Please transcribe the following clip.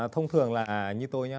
thông thường là như tôi nhé